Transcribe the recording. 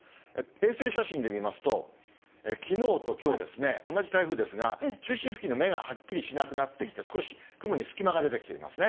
衛星写真で見ますと、きのうときょうですね、同じ台風ですが、中心付近の目がはっきりしなくなってきて、少し雲に隙間が出てきていますね。